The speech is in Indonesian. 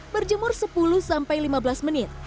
berjemur sepuluh sampai lima belas menit